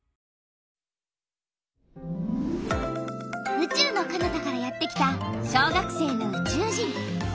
うちゅうのかなたからやってきた小学生のうちゅう人！